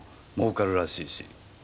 儲かるらしいし。